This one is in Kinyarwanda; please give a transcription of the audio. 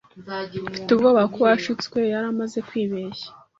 Mfite ubwoba ko uwashutswe yari amaze kwibeshya